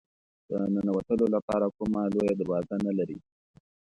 د ننوتلو لپاره کومه لویه دروازه نه لري.